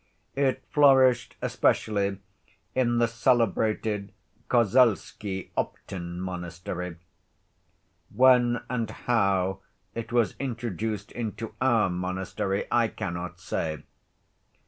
It flourished especially in the celebrated Kozelski Optin Monastery. When and how it was introduced into our monastery I cannot say.